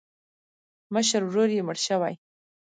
مشر ورور یې مړ شوی.